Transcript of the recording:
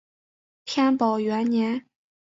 天宝元年。